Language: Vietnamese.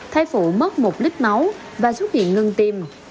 thai phụ mất một lít máu và xuất hiện ngừng tim